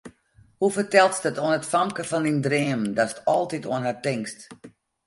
Hoe fertelst it oan it famke fan dyn dreamen, datst altyd oan har tinkst?